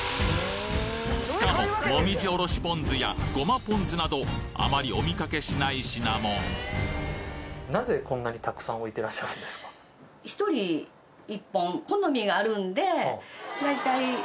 しかももみじおろしポン酢やごまポン酢などあまりお見かけしない品も大体。